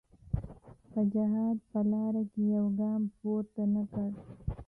په جهاد په لاره کې یو ګام پورته نه کړ.